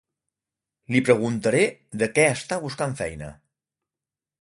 Li preguntaré de què està buscant feina